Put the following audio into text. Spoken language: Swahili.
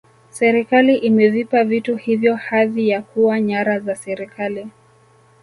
serikali imevipa vitu hivyo hadhi ya kuwa nyara za serikali